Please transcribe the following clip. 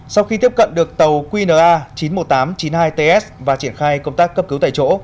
sau khi tiếp cận được tàu qna chín trăm một mươi tám chín mươi hai ts và triển khai công tác cấp cứu tại chỗ